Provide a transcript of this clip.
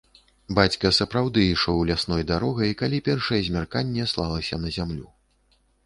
Бацька сапраўды ішоў лясной дарогай, калі першае змярканне слалася на зямлю.